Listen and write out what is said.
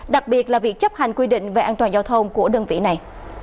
đặc biệt là việc chấp hành quy định về an toàn giao thông của đơn vị này